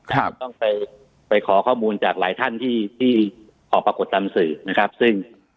จะต้องไปขอข้อมูลจากหลายท่านที่ขอปรากฏตามสื่อนะครับซึ่ง